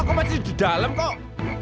kok masih di dalam kok